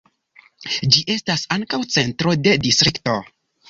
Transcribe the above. Ĝi estas ankaŭ centro de distrikto.